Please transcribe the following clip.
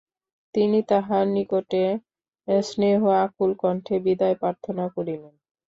তিনি তাহার নিকটে স্নেহ-আকুল কণ্ঠে বিদায় প্রার্থনা করিলেন।